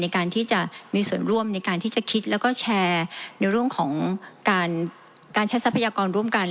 ในการที่จะมีส่วนร่วมในการที่จะคิดแล้วก็แชร์ในเรื่องของการใช้ทรัพยากรร่วมกัน